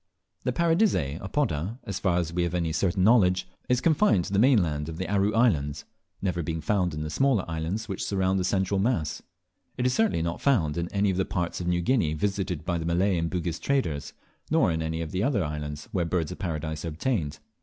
The Paradisea apoda, as far as we have any certain knowledge, is confined to the mainland of the Aru Islands, never being found in the smaller islands which surround the central mass. It is certainly not found in any of the parts of New Guinea visited by the Malay and Bugis traders, nor in any of the other islands where Birds of Paradise are obtained.